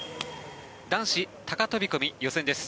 男子高飛込予選です。